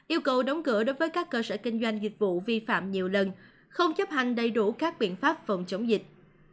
yêu cầu đóng cửa đối với các cơ sở kinh doanh dịch vụ vi phạm nhiều lần không chấp hành đầy đủ các biện pháp phòng chống dịch